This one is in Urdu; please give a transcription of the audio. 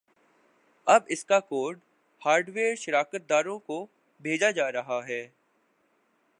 اب اسکا کوڈ ہارڈوئیر شراکت داروں کو بھیجا جارہا ہے